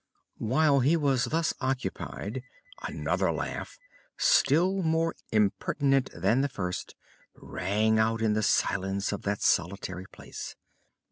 While he was thus occupied another laugh, still more impertinent than the first, rang out in the silence of that solitary place.